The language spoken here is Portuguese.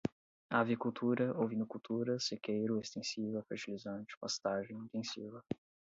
avicultura, ovinocultura, sequeiro, extensiva, fertilizante, pastagem, intensiva